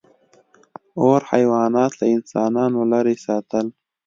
• اور حیوانات له انسانانو لرې ساتل.